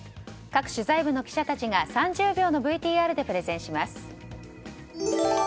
各取材部の記者たちが３０秒のＶＴＲでプレゼンします。